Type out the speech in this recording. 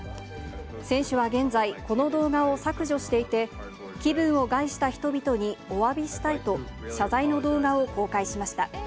選手は現在、この動画を削除していて、気分を害した人々におわびしたいと、謝罪の動画を公開しました。